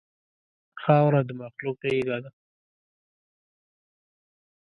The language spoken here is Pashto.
خاوره د مخلوق غېږه ده.